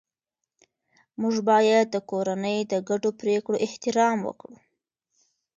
موږ باید د کورنۍ د ګډو پریکړو احترام وکړو